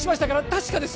確かです